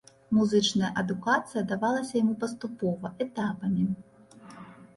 Музычная адукацыя давалася яму паступова, этапамі.